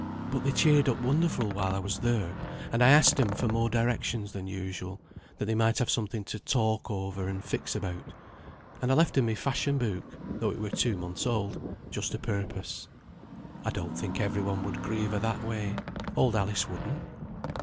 But they cheered up wonderful while I was there, and I asked 'em for more directions than usual, that they might have something to talk over and fix about; and I left 'em my fashion book (though it were two months old) just a purpose." "I don't think every one would grieve a that way. Old Alice wouldn't."